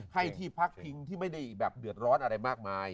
ให้ที่พักพิงที่ไม่ได้แบบเดือดร้อนอะไรมากมาย